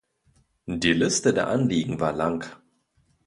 Die Liste der Anliegen war lang.